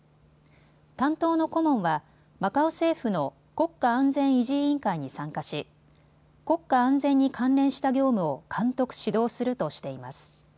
担当の顧問はマカオ政府の国家安全維持委員会に参加し、国家安全に関連した業務を監督、指導するとしています。